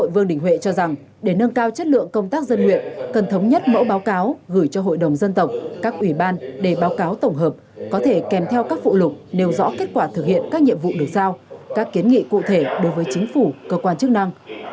vương đình huệ cho rằng để nâng cao chất lượng công tác dân nguyện cần thống nhất mẫu báo cáo gửi cho hội đồng dân tộc các ủy ban để báo cáo tổng hợp có thể kèm theo các phụ lục nêu rõ kết quả thực hiện các nhiệm vụ được giao các kiến nghị cụ thể đối với chính phủ cơ quan chức năng